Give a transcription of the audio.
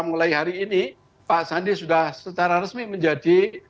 mulai hari ini pak sandi sudah secara resmi menjadi